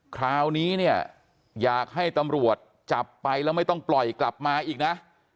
คราวนี้เนี่ยอยากให้ตำรวจจับไปแล้วไม่ต้องปล่อยกลับมาอีกนะ